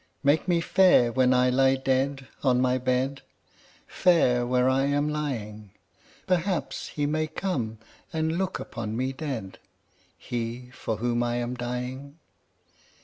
Make me fair when I lie dead on my bed, Fair where I am lying: Perhaps he may come and look upon me dead He for whom I am dying.